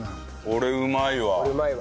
これうまいわ。